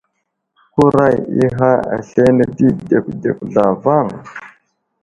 Kuray ghay aslane di dəkdək zlavaŋ.